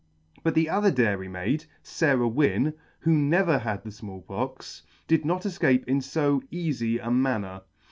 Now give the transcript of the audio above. But the other dairymaid, Sarah Wynne, who never had the Small Pox, did not efcape in fo eafy a manner.